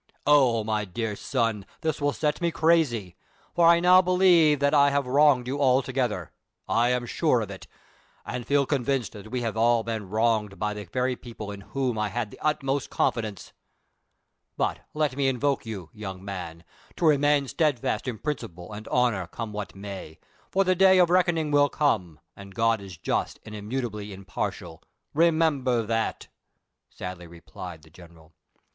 " Oh ! my dear son, this will set me crazy ; for I now be lieve that I have wronged you altogether— I am sure of it, and feel convinced that we have all been wronged by the very people in whom I had the utmost confidence ; but, let me invoke you, young man, to remain steadfast in prin ciple and honor, come wliat may ; for the day of reckoning will come, and God is just and immutably impartial— re member that !" sadly replied the general.